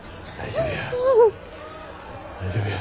大丈夫や。